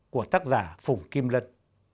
của tác giả phùng kim lân